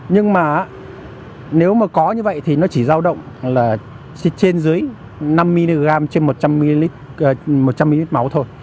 nhưng mà nếu mà có như vậy thì nó chỉ dao động là trên dưới năm mg trên một trăm linh ml máu thôi